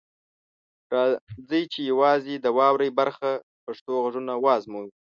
راځئ چې یوازې د "واورئ" برخه کې پښتو غږونه وازموو.